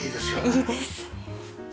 いいですね。